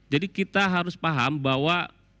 jadi kita harus paham bahwa